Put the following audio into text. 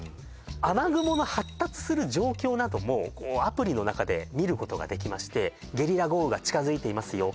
雨雲の発達する状況などもアプリの中で見ることができましてゲリラ豪雨が近づいていますよ